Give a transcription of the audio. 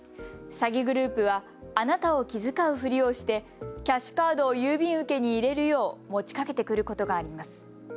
詐欺グループはあなたを気遣うふりをしてキャッシュカードを郵便受けに入れるよう持ちかけてくることがあります。